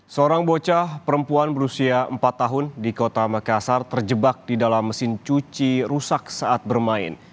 seorang bocah perempuan berusia empat tahun di kota makassar terjebak di dalam mesin cuci rusak saat bermain